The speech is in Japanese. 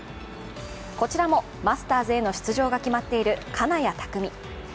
こちらもマスターズへの出場が決まっている金谷拓実。